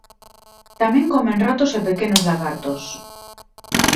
Tamén comen ratos e pequenos lagartos.